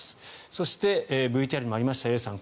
そして、ＶＴＲにもありましたＡさん